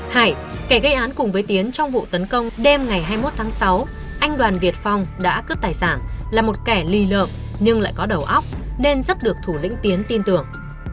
hải kẻ gây án cùng với tiến trong vụ tấn công đêm ngày hai mươi một tháng sáu anh đoàn việt phong đã cướp tài sản là một kẻ lì lợm nhưng lại có đầu óc nên rất được thủ lĩnh tiến tin tưởng